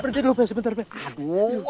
berdiri dulu sebentar pak